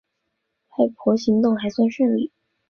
外婆行动还算顺利